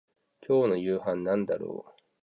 今日の夕飯なんだろう